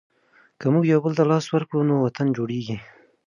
که موږ یو بل ته لاس ورکړو نو وطن جوړیږي.